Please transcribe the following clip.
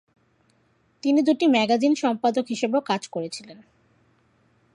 তিনি দুটি ম্যাগাজিনের সম্পাদক হিসাবেও কাজ করেছিলেন।